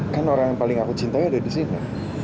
kan orang yang paling aku cintai ada di sini